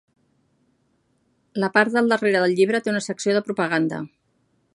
La part del darrere del llibre té una secció de propaganda.